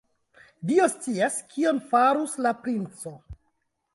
Dio scias, kion farus la princo!